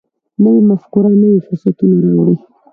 نوې مفکوره نوي فرصتونه راوړي